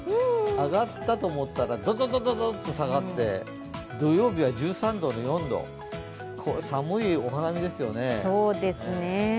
上がったと思ったらドンドンドンと下がって土曜日は１３度の４度、寒いお花見ですよね。